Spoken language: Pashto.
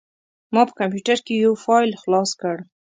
ما په کمپوټر کې یو فایل خلاص کړ.